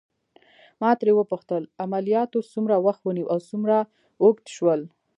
ما ترې وپوښتل: عملياتو څومره وخت ونیو او څومره اوږد شول؟